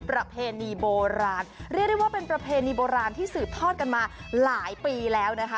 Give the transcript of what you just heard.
ประเพณีโบราณเรียกได้ว่าเป็นประเพณีโบราณที่สืบทอดกันมาหลายปีแล้วนะคะ